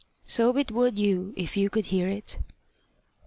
So it would you if you could hear it."